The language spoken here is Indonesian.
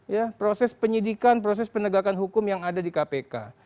ya proses penyidikan proses penegakan hukum yang ada di kpk